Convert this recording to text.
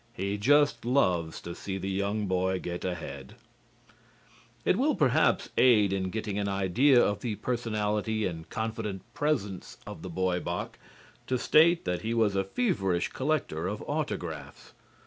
He just loves to see the young boy get ahead. It will perhaps aid in getting an idea of the personality and confident presence of the Boy Bok to state that he was a feverish collector of autographs.